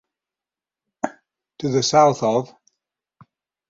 To the south of.